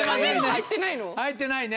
入ってないね。